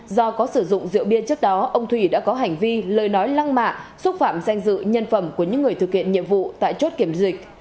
do có sử dụng rượu bia trước đó ông thủy đã có hành vi lời nói lăng mạ xúc phạm danh dự nhân phẩm của những người thực hiện nhiệm vụ tại chốt kiểm dịch